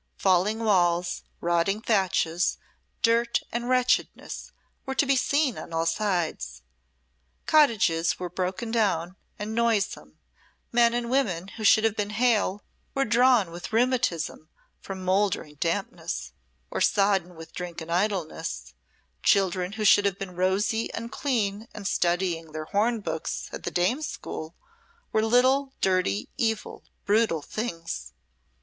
Falling walls, rotting thatches, dirt and wretchedness were to be seen on all sides; cottages were broken paned and noisome, men and women who should have been hale were drawn with rheumatism from mouldering dampness, or sodden with drink and idleness; children who should have been rosy and clean and studying their horn books, at the dame school, were little, dirty, evil, brutal things.